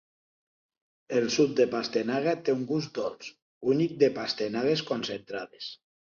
El suc de pastanaga té un gust dolç únic de pastanagues concentrades.